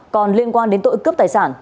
còn liên quan đến tội cướp tài sản